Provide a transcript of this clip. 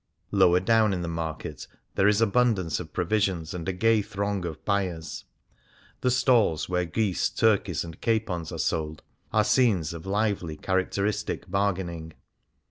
Lower down in the market there is abundance of provisions and a gay throng of buyers. The stalls where geese, turkeys, and capons are sold are scenes of lively, characteristic bargaining.